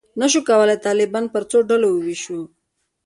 نه شو کولای طالبان پر څو ډلو وویشو.